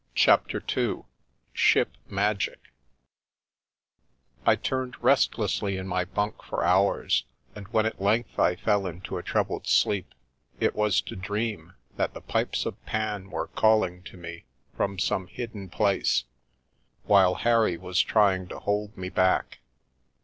CHAPTER II SHIP MAGIC 1 TURNED restlessly in my bunk for hours, and when at length I fell into a troubled sleep, it was to dream that the pipes of Pan were calling to me from some hidden place, while Harry was trying to hold me back.